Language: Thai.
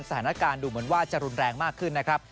สถานการณ์ดูเหมือนว่าจะรุนแรงมากขึ้นนะครับ